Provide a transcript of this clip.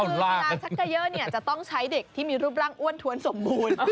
ชักเกอร์จะต้องใช้เด็กที่มีรูปร่างอ้วนทวนสมบูรณ์